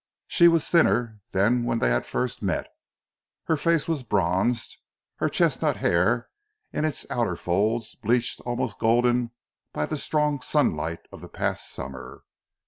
She was thinner than when they had first met, her face was bronzed, her chestnut hair in its outer folds bleached almost golden by the strong sunlight of the past summer.